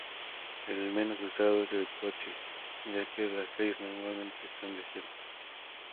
El menos usado es el coche, ya que las calles normalmente están desiertas.